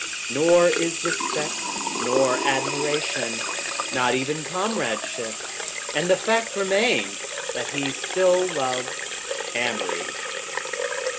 Nor is respect, nor admiration. Nor even comradeship. And the fact remained that he still loved Amory.